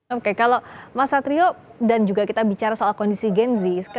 oke kalau mas satrio dan juga kita bicara soal kondisi gen z